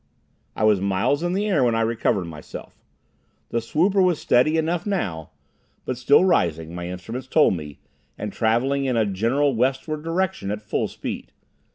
I was miles in the air when I recovered myself. The swooper was steady enough now, but still rising, my instruments told me, and traveling in a general westward direction at full speed.